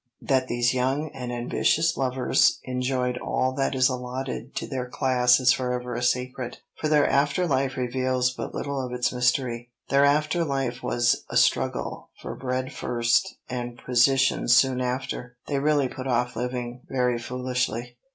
That these young and ambitious lovers enjoyed all that is allotted to their class is forever a secret, for their after life reveals but little of its mystery. Their after life was a struggle for bread first, and position soon after. They really put off living, very foolishly.